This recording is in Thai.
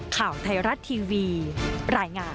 ข่าวไทยรัฐทีวีรายงาน